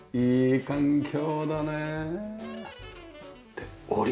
いい環境だねえ。